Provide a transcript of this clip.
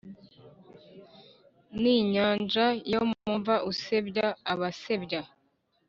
n'inyanja yo mu mva, usebya abasebya